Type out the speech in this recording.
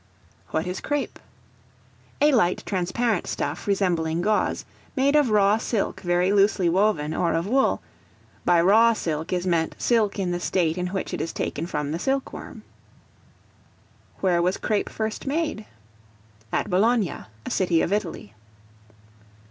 What is Crape? A light, transparent stuff, resembling gauze, made of raw silk very loosely woven, or of wool; by raw silk is meant, silk in the state in which it is taken from the silk worm. Where was Crape first made? At Bologna, a city of Italy.